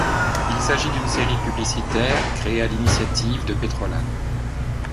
Il s'agit d'une série publicitaire, créée à l'initiative de Pétrole Hahn.